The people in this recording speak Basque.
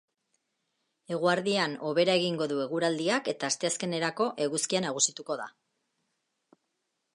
Eguerdian hobera egingo du eguraldiak eta asteazkenerako eguzkia nagusituko da.